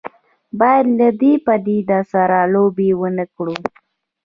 باید له دې پدیدې سره لوبې ونه کړو.